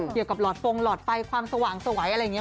หลอดฟงหลอดไฟความสว่างสวัยอะไรอย่างนี้